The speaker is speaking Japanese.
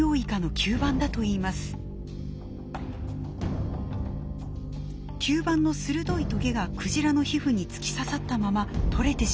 吸盤の鋭いトゲがクジラの皮膚に突き刺さったまま取れてしまったのです。